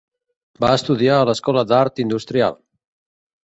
Va estudiar a l'Escola d'Art Industrial.